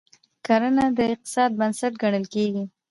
کرنه د اقتصاد بنسټ ګڼل کیږي.